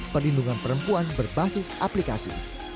perlindungan perempuan berbasis aplikasi